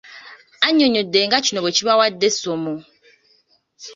Annyonnyodde nga kino bwe kibawadde essomo.